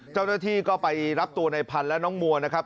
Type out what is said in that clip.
เจ้าหน้าที่ก็ไปรับตัวในพันธุ์และน้องมัวนะครับ